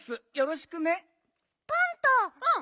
うん。